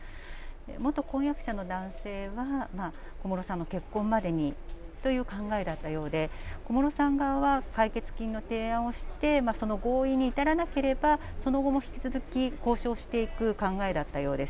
元婚約者の男性は、小室さんの結婚までにという考えだったようで、小室さん側は解決金の提案をして、その合意に至らなければ、その後も引き続き交渉していく考えだったようです。